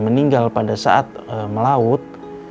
meninggal pada saat melaut